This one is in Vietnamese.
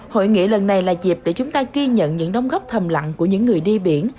hội nghị lần này là dịp để chúng ta ghi nhận những nông góp thầm lặng của những người đi biển